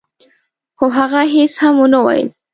خو هغه هيڅ هم ونه ويل.